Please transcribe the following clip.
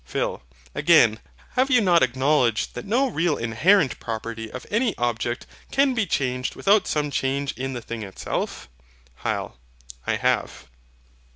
PHIL. Again, have you not acknowledged that no real inherent property of any object can be changed without some change in the thing itself? HYL. I have.